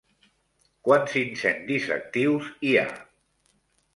Quants incendis actius hi ha?